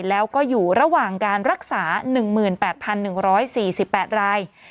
แล้วก็อยู่ระหว่างการรักษา๑๘๑๔๘ราย